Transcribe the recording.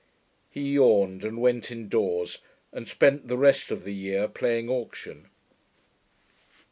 He yawned and went indoors, and spent the rest of the year playing auction.